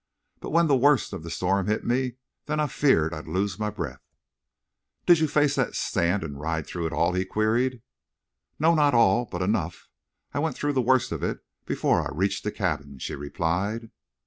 But when the worst of the storm hit me—then I feared I'd lose my breath." "Did you face that sand and ride through it all?" he queried. "No, not all. But enough. I went through the worst of it before I reached the cabin," she replied.